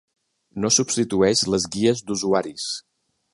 No substitueix les guies d'usuaris.